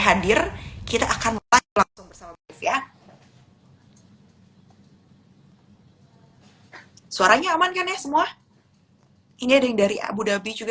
hadir kita akan live langsung bersama brif ya suaranya aman kan ya semua ini ada yang dari abu dhabi juga